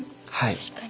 確かに。